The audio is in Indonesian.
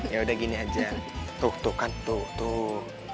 yaudah gini aja tuh tuh kan tuh tuh